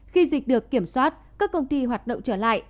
khi dịch được kiểm soát các công ty hoạt động trở lại